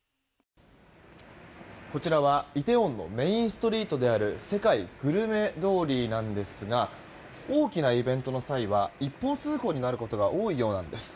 こちらはイテウォンのメインストリートである世界グルメ通りなんですが大きなイベントの際は一方通行になることが多いようなんです。